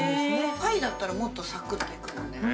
◆パイだったら、もっとサクっていくよね。